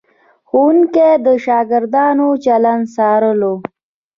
ښوونکي د شاګردانو چلند څارلو.